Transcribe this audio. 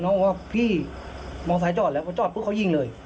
น้องผมว่าพี่มองซ้ายจอดแล้วเพราะจอดเพราะเขายิงเลย